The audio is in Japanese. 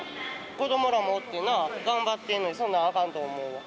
子どもらもおってな、頑張ってんのに、そんなんあかんと思うわ。